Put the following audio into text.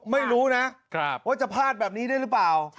ไม่รู้นะว่าจะพลาดแบบนี้ได้หรือเปล่า